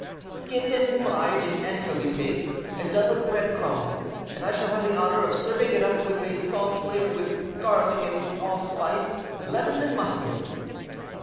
"Skinned and fried in anchovy paste, and done with bread crumbs; and I shall have the honor of serving it up with a sauce flavored with garlic and allspice, lemons and mustard."